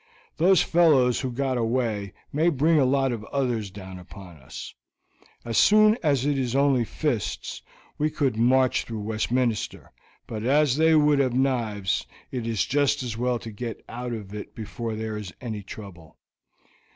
Those fellows who got away may bring a lot of others down upon us. As long as it is only fists, we could march through Westminster; but as they would have knives, it is just as well to get out of it before there is any trouble.